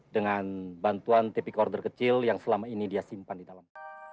dengan bantuan tipikorder kecil yang selama ini dia simpan di dalam